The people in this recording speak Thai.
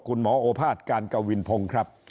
คุณหมอโอภาษการกวินพงศ์ครับ